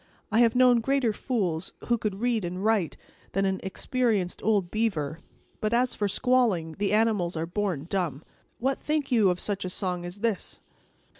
I have known greater fools, who could read and write, than an experienced old beaver; but as for squalling, the animals are born dumb! What think you of such a song as this?"